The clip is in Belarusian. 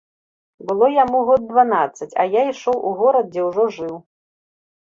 Было яму год дванаццаць, а я ішоў у горад, дзе ўжо жыў.